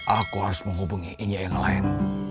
aku harus menghubungi injak yang lain